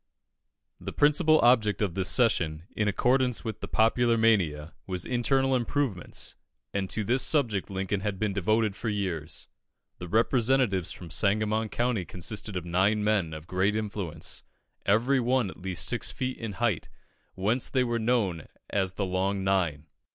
The principal object of this session, in accordance with the popular mania, was internal improvements, and to this subject Lincoln had been devoted for years. The representatives from Sangamon County consisted of nine men of great influence, every one at least six feet in height, whence they were known as the Long Nine.